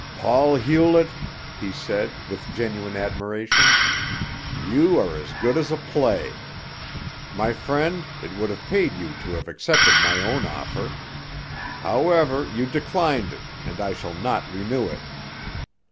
"Paul Hewlett," he said, with genuine admiration, "you are as good as a play. My friend, it would have paid you to have accepted my own offer. However, you declined it and I shall not renew it.